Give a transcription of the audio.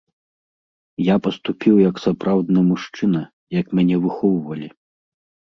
Я паступіў як сапраўдны мужчына, як мяне выхоўвалі.